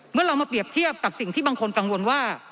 เมื่อเรามาเปรียบเทียบกับสิ่งที่บางคนกังวลว่า